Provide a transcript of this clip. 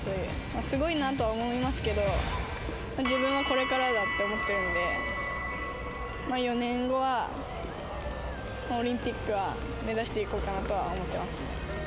すごいなとは思いますけど、自分はこれからだと思ってるので、４年後は、オリンピックは目指していこうかなとは思ってますね。